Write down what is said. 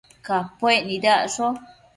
Capuec nidacsho